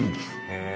へえ。